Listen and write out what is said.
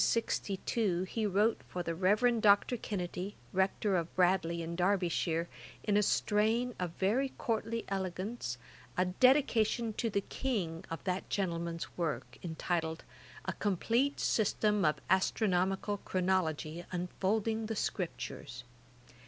53. In 1762 he wrote for the Reverend Dr. Kennedy, Rector of Bradley in Derbyshire, in a strain of very courtly elegance, a Dedication to the King[*] of that gentleman's work, entitled, A complete System of Astronomical Chronology, unfolding the Scriptures.